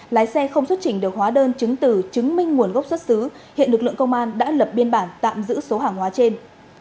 lái xe không xuất trình được hóa đơn chứng từ chứng minh nguồn gốc xuất xứ hiện lực lượng công an đã lập biên bản tạm giữ số hàng hóa trên